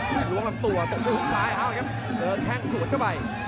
เหลืองลับตัวตกห่วงซ้ายครับเออแข้งสวนเข้าไป